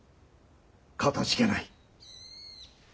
かたじけない。